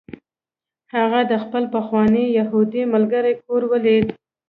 هغه د خپل پخواني یهودي ملګري کور ولید